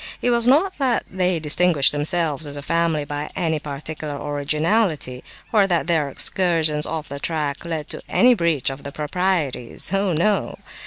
It was not that they distinguished themselves as a family by any particular originality, or that their excursions off the track led to any breach of the proprieties. Oh no.